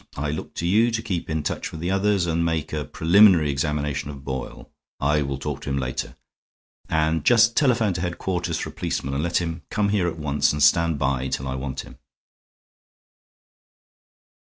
I look to you to keep in touch with the others and make a preliminary examination of Boyle. I will talk to him later. And just telephone to headquarters for a policeman, and let him come here at once and stand by till I want him."